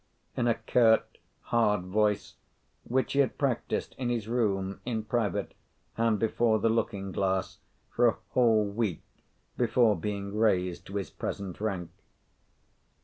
in a curt hard voice, which he had practised in his room in private, and before the looking glass, for a whole week before being raised to his present rank.